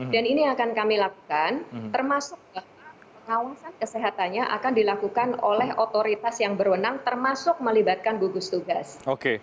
dan ini yang akan kami lakukan termasuk pengawasan kesehatannya akan dilakukan oleh otoritas yang berwenang termasuk melibatkan gugus tugas